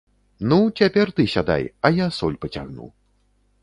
Ну, цяпер ты сядай, а я соль пацягну.